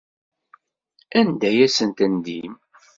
Anda ay asen-tendim?